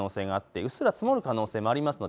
うっすら積もる可能性もあります。